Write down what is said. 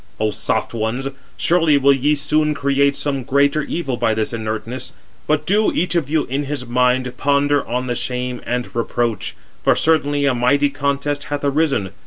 O soft ones! surely will ye soon create some greater evil by this inertness: but do each of you in his mind ponder on the shame and reproach; for certainly a mighty contest hath arisen.